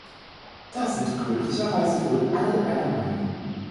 Da sind glücklicherweise wohl alle einer Meinung.